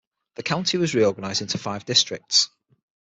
The county was reorganised into five districts.